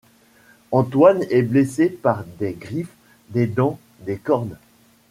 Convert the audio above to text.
Antoine est blessé par des griffes, des dents, des cornes.